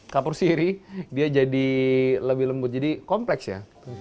kapur siri dia jadi lebih lembut jadi kompleks ya